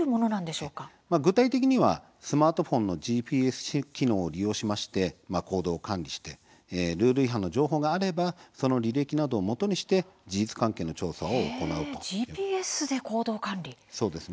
具体的には、スマートフォンのＧＰＳ機能を利用して行動管理してルール違反の情報があればその履歴などをもとに事実関係の調査が行われます。